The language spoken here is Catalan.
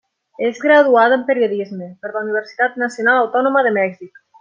És graduada en periodisme per la Universitat Nacional Autònoma de Mèxic.